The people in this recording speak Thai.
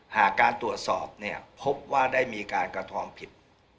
หากการตรวจสอบเนี่ยพบว่าได้มีการกระทำผิด